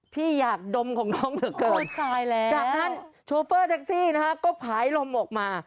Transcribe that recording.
พี่อยากดมของน้องเหลือเกินจากนั้นโชเฟอร์แท็กซี่นะฮะก็ผายลมออกมา